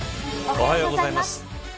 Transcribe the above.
おはようございます。